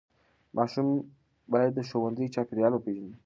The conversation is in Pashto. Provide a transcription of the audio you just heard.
ماشوم باید د ښوونځي چاپېریال وپیژني.